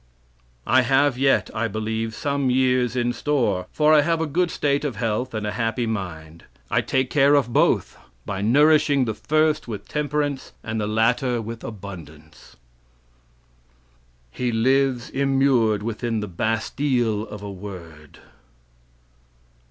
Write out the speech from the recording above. "I have yet, I believe, some years in store, for I have a good state of health and a happy mind. I take care of both, by nourishing the first with temperance and the latter with abundance. "He lives immured within the Bastille of a word."